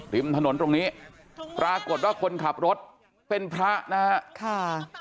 ริมถนนตรงนี้ปรากฏว่าคนขับรถเป็นพระนะฮะค่ะ